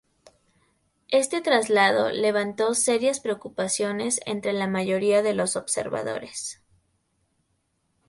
Este traslado levantó serias preocupaciones entre la mayoría de los observadores.